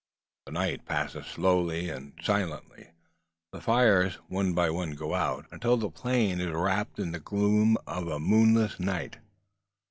The night passes slowly and silently. The fires one by one go out, until the plain is wrapt in the gloom of a moonless midnight.